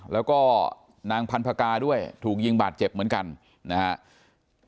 แล้วก็นางพันธกาด้วยถูกยิงบาดเจ็บเหมือนกันนะครับ